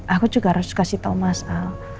aku juga harus kasih tahu mas al